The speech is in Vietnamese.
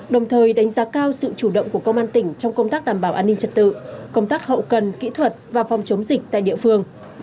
đồng thời đánh giá cao sự chủ động của công an tỉnh trong công tác đảm bảo an ninh trật tự công tác hậu cần kỹ thuật và phòng chống dịch tại địa phương